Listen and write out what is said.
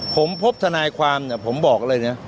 ผมพบธนายความผมบอกเลยนะ